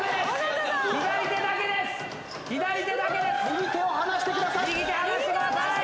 右手を離してください。